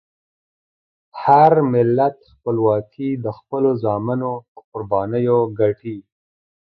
هر ملت خپلواکي د خپلو زامنو په قربانیو ګټي.